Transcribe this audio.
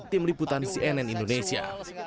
tim liputan cnn indonesia